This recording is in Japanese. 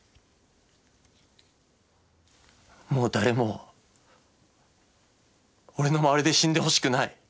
もう誰も俺の周りで死んでほしくない。